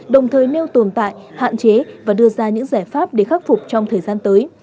đồng thời nêu tồn tại hạn chế và đưa ra những giải pháp để khắc phục trong thời gian tới